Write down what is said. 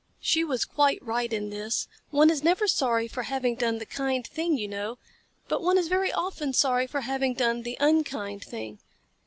She was quite right in this. One is never sorry for having done the kind thing, you know, but one is very often sorry for having done the unkind thing.